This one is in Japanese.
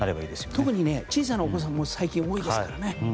特に小さなお子さんも最近多いですからね。